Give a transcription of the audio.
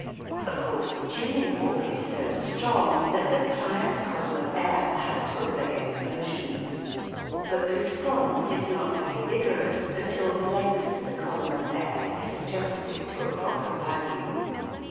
Of course the tuning fork is so strong that the pliant col umn of air has to obey its motions ; but the response is not very vigor ous until the length of the column of air is adjusted to a proper value.